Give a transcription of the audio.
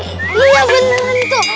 iya beneran itu